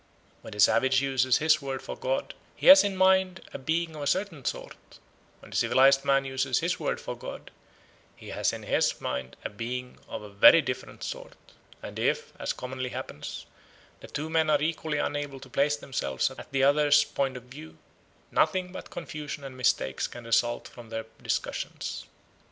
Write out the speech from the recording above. When the savage uses his word for god, he has in his mind a being of a certain sort: when the civilised man uses his word for god, he has in his mind a being of a very different sort; and if, as commonly happens, the two men are equally unable to place themselves at the other's point of view, nothing but confusion and mistakes can result from their discussions.